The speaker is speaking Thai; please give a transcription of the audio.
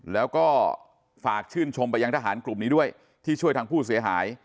แล้วก็ฝากชื่นชมไปยังทหารกลุ่มนี้ด้วยที่ช่วยทางผู้เสียหาย